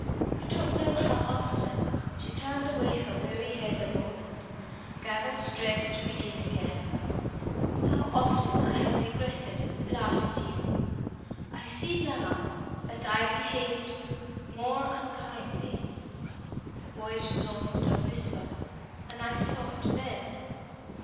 You don't know how often " She turned away her weary head a moment gathered strength to begin again " how often I have regretted last year. I see now that I behaved more unkindly" her voice was almost a whisper "than I thought then.